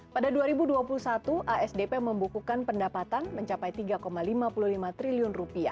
pada dua ribu dua puluh satu asdp membukukan pendapatan mencapai rp tiga lima puluh lima triliun